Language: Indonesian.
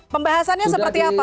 pembahasannya seperti apa pak